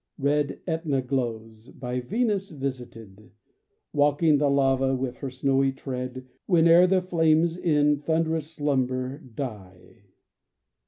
Red Etna glows, by Venus visited, Walking the lava with her snowy tread Whene'er the flames in thunderous slumber die.